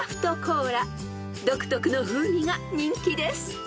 ［独特の風味が人気です］